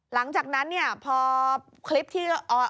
หลังจากนั้นพอคลิปที่